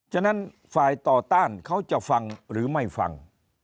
ฉะนั้นฝ่ายต่อต้านเขาจะฟังหรือไม่ฟัง